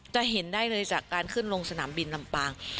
จะเห็นได้เลยจากการขึ้นลงสนามบินลำปาง